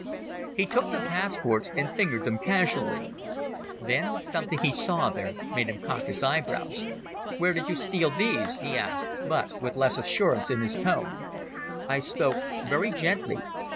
He took the passports and fingered them casually. Then something he saw there made him cock his eyebrows. "Where did you steal these?" he asked, but with less assurance in his tone. I spoke very gently.